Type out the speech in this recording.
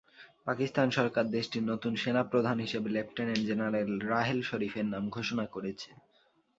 পাকিস্তান সরকার দেশটির নতুন সেনাপ্রধান হিসেবে লেফটেনেন্ট জেনারেল রাহেল শরিফের নাম ঘোষণা করেছে।